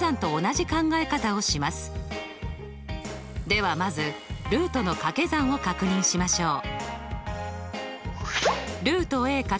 ではまずルートのかけ算を確認しましょう。